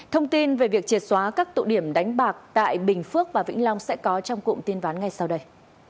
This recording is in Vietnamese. thông tin về việc triệt xóa các tụ điểm đánh bạc tại bình phước và vĩnh long sẽ có trong cụm tin ván ngay sau đây